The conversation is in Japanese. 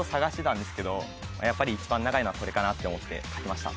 やっぱり一番長いのはこれかなって思って書きました